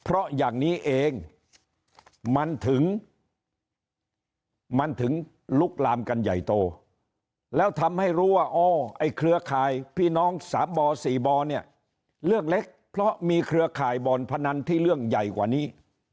เพราะอย่างนี้เองมันถึงมันถึงลุกลามกันใหญ่โตแล้วทำให้รู้ว่าอ๋อไอ้เครือข่ายพี่น้องสามบ่อ๔บ่อเนี่ยเรื่องเล็กเพราะมีเครือข่ายบ่อนพนันที่เรื่องใหญ่กว่านี้